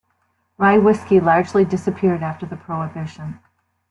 Rye whiskey largely disappeared after Prohibition.